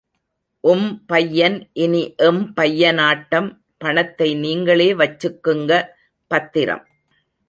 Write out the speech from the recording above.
உம் பையன் இனி எம் பையனாட்டம் பணத்தை நீங்களே வச்சுக்கங்க.. பத்திரம்.